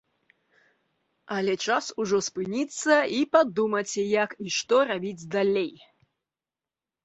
Але час ужо спыніцца і падумаць, як і што рабіць далей.